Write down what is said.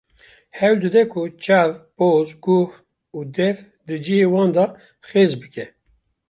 Hewl dide ku çav, poz, guh û dev di cihê wan de xêz bike.